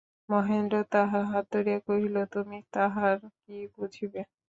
মহেন্দ্র তাহার হাত ধরিয়া কহিল, তুমি তাহার কী বুঝিবে।